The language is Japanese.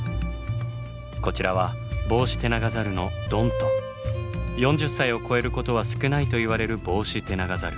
こちらは４０歳を超えることは少ないといわれるボウシテナガザル。